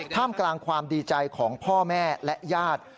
ท่ามกลางความดีใจของพ่อแม่และญาติ